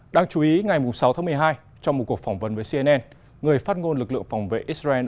đáng chú ý ngày sáu tháng một mươi hai trong một cuộc phỏng vấn với cnn người phát ngôn lực lượng phòng vệ israel